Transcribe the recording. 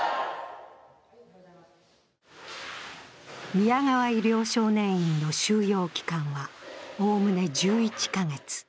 宮川医療少年院の収容期間はおおむね１１か月。